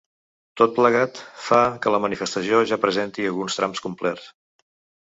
Tot plegat fa que la manifestació ja presenti alguns trams complets.